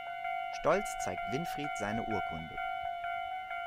Stolz zeigt Winfried seine Urkunde.